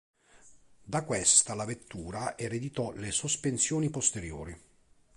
Da questa la vettura ereditò le sospensioni posteriori.